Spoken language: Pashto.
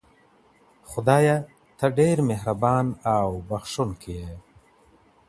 خدایه ته ډېر مهربان او بښونکی یې.